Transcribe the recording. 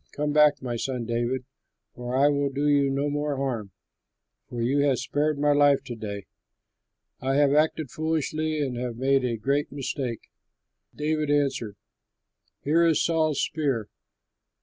Come back, my son David, for I will do you no more harm, for you have spared my life to day. I have acted foolishly and have made a great mistake." David answered, "Here is Saul's spear!